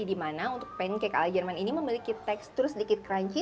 di mana untuk pancake ala jerman ini memiliki tekstur sedikit crunchy